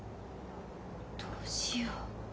どうしよう。